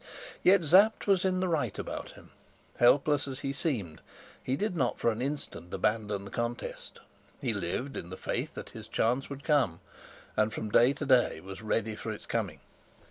Yet Sapt was in the right about him. Helpless as he seemed, he did not for an instant abandon the contest. He lived in the faith that his chance would come, and from day to day was ready for its coming.